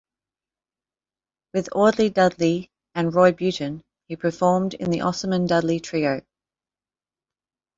With Audley Dudley and Roy Butin he performed in the Ossman-Dudley Trio.